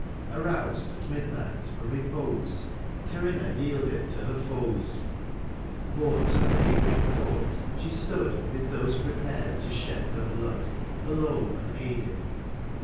Aroused, at midnight, from repose, Corinna yielded to her foes. Borne to a neighbouring court, she stood ^Mid those prepared to shed her blood. Alone, unaided.